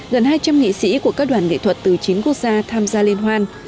gần hai trăm linh nghị sĩ của các đoàn nghệ thuật từ chín quốc gia tham gia liên hoan